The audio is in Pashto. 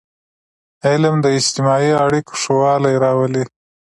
علم د اجتماعي اړیکو ښهوالی راولي.